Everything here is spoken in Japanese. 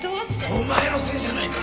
お前のせいじゃないか！